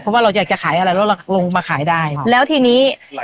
เพราะว่าเราอยากจะขายอะไรแล้วเราลงมาขายได้แล้วทีนี้